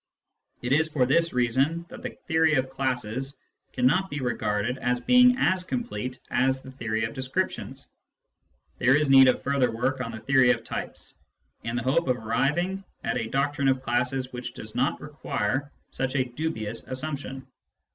It is for this reason that the theory of classes cannot be regarded as being as complete as the theory of descriptions. There is need of further work on the theory of types, in the hope of arriving'at a doctrine of classes which does not require such a dubious assumption.